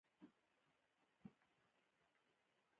مېړه خپله ماينه غوولې ده